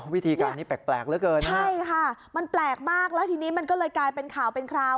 วิธีการนี้แปลกเหลือเกินใช่ค่ะมันแปลกมากแล้วทีนี้มันก็เลยกลายเป็นข่าวเป็นคราว